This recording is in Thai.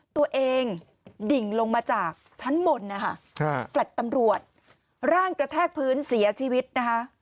ตัวเองดิ่งลงมาจากชั้นบนนะคะแฟลต์ตำรวจร่างกระแทกพื้นเสียชีวิตนะคะ